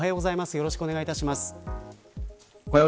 よろしくお願いします。